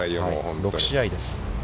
６試合です。